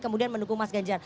kemudian mendukung mas ganjar